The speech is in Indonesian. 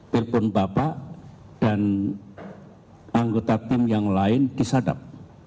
telepon bapak dan anggota tim yang lain disadap